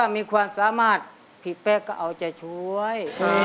นี่คิดแบบรอบคอบนี่แบบผู้ใหญ่